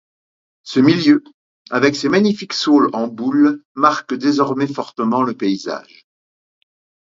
Ce milieu, avec ces magnifiques saules en boules, marque désormais fortement le paysage.